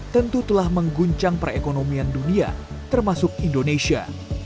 tentu telah mengguncang perekonomian dunia termasuk indonesia